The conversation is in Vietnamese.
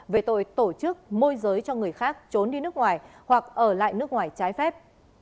về tội tổ chức môi giới cho người khác trốn đi nước ngoài hoặc ở lại nước ngoài trái phép